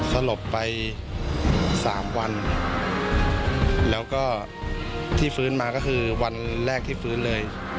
สลบไป๓วันแล้วก็ที่ฟื้นมาก็คือวันแรกที่ฟื้นเลย